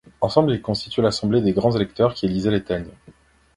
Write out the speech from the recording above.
Ensemble ils constituaient l'assemblée des grands électeurs qui élisaient les teignes.